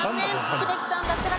英樹さん脱落です。